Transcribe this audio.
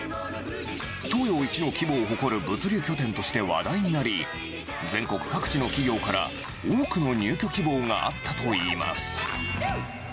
東洋一の規模を誇る物流拠点として話題になり、全国各地の企業から多くの入居希望があったといいます。